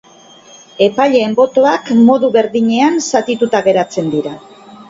Epaileen botoak modu berdinean zatituta geratzen dira.